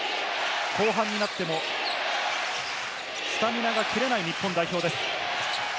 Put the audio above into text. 後半になってもスタミナが切れない日本代表です。